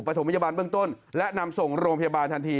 ถมพยาบาลเบื้องต้นและนำส่งโรงพยาบาลทันที